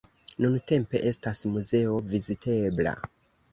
Nuntempe estas muzeo vizitebla.